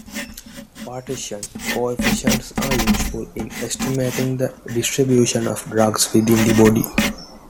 Partition coefficients are useful in estimating the distribution of drugs within the body.